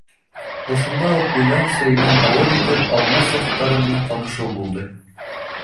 Ошонда уҡ үлән сәйенән ауыҙ итеп, алма сорттары менән танышыу булды.